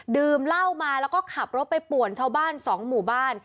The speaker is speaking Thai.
ดื่มเหล้ามาแล้วก็ขับรถไปป่วนชาวบ้านสองหมู่บ้าน